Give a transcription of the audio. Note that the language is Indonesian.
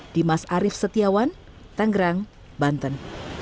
dimas arief setiawan tanggerang banten